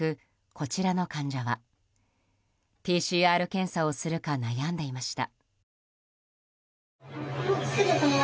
こちらの患者はＰＣＲ検査をするか悩んでいました。